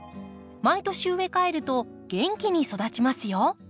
毎年植え替えると元気に育ちますよ。